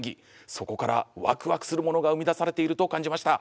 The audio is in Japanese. そこからワクワクするものが生み出されていると感じました。